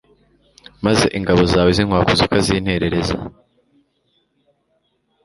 maze ingabo zawe z'inkwakuzi ukazinterereza